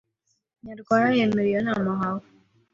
Nyarwaya yemera iyo nama ahawe